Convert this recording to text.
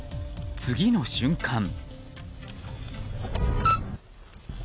次の瞬間。